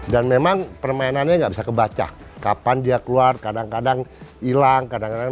dan memang permainannya nggak bisa kebaca kapan dia keluar kadang kadang hilang kadang kadang